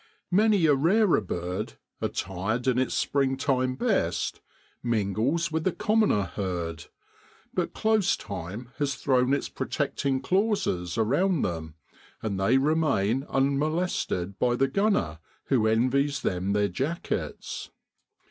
Many a rarer bird, attired in its springtime best, mingles with the commoner herd. But close time has thrown its protecting clauses around them, and they remain unmolested by the gunner who envies them their jackets.